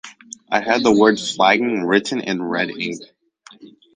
I had the word "flagging" written in red ink.